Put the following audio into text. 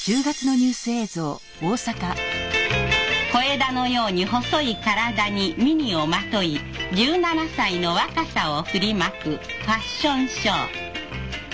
小枝のように細い体にミニをまとい１７歳の若さを振りまくファッションショー。